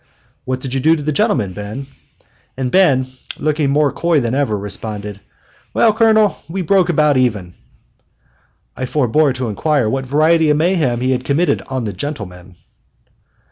"What did you do to the gentleman, Ben?" And Ben, looking more coy than ever, responded: "Well, Colonel, we broke about even!" I forebore to inquire what variety of mayhem he had committed on the "gentleman."